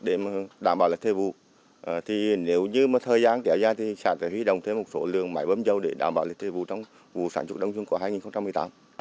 để đảm bảo lịch thời vụ trong vụ sản xuất đồng ruộng của hai nghìn một mươi tám